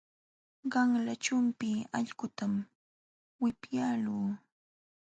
Qanla chumpi allqutam wipyaaluu.